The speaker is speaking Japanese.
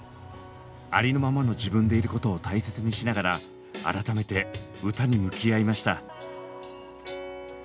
ありのままの自分でいることを大切にしながら改めて歌に向き合いました。